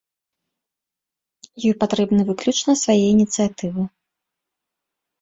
Ёй патрэбны выключна свае ініцыятывы.